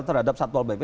terhadap satpol pp